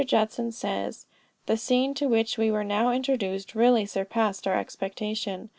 Judson says "The scene to which we were now introduced, really surpassed our expectation.